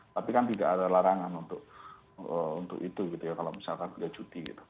tapi kan tidak ada larangan untuk itu kalau misalkan dia cuti